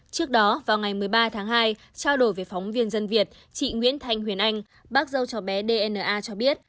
trước đó vào ngày một mươi ba tháng hai trao đổi với phóng viên dân việt chị nguyễn thanh huyền anh bác dâu cháu bé dna cho biết